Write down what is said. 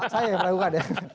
saya yang meragukan ya